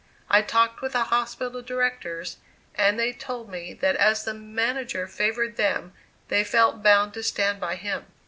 I talked with the hospital directors and they told me that as the manager favored them, they felt bound to stand by him.